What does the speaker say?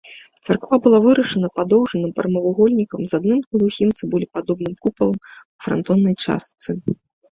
Царква была вырашана падоўжаным прамавугольнікам з адным глухім цыбулепадобным купалам у франтоннай частцы.